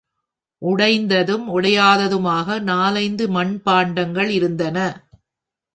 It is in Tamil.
உடைந்ததும், உடையாததுமாக நாலைந்து மண்பாண்டங்கள் இருந்தன.